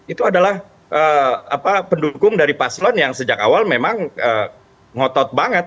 itu adalah pendukung dari paslon yang sejak awal memang ngotot banget